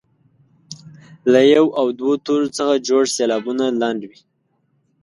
له یو او دوو تورو څخه جوړ سېلابونه لنډ وي.